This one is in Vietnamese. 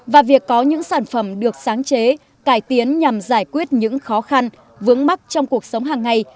và việc có những sản phẩm được sáng chế cải tiến nhằm giải quyết những khó khăn vướng mắc trong cuộc sống hàng ngày